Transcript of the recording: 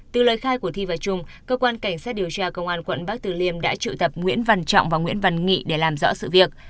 từ lời khai của thi và trung cơ quan cảnh sát điều tra công an quận bắc từ liêm đã triệu tập nguyễn văn trọng và nguyễn văn nghị để làm rõ sự việc